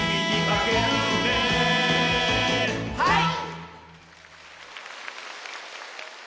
はい！